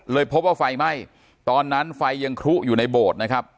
พบว่าไฟไหม้ตอนนั้นไฟยังคลุอยู่ในโบสถ์นะครับ